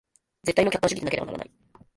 絶対の客観主義でなければならない。